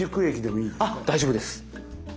あ大丈夫です。